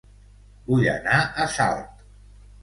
Vull anar a Salt